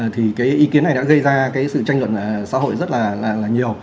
thì cái ý kiến này đã gây ra cái sự tranh luận xã hội rất là nhiều